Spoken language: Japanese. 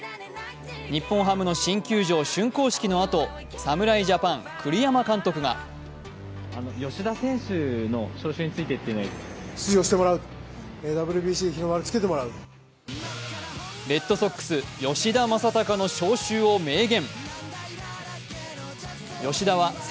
日本ハムの新球場竣工式のあと侍ジャパン・栗山監督がレッドソックス・吉田正尚の招集を明言。